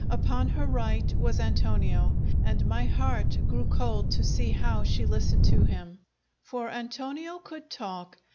Upon her right was Antonio, and my heart grew cold to see how she listened to him. For Antonio could talk.